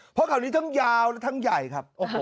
เพราะข่าวนี้ทั้งยาวและทั้งใหญ่ครับ